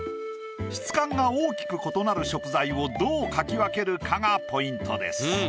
質感が大きく異なる食材をどう描き分けるかがポイントです。